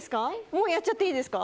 もうやっちゃっていいですか。